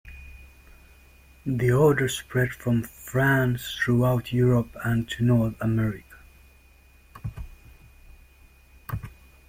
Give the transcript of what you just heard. The Order spread from France throughout Europe and to North America.